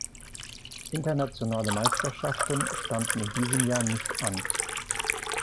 Internationale Meisterschaften standen in diesem Jahr nicht an.